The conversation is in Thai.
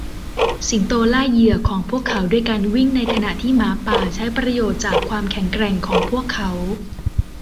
สิงโตล่าเหยื่อของพวกเขาด้วยการวิ่งในขณะที่หมาป่าใช้ประโยชน์จากความแข็งแกร่งของพวกเขา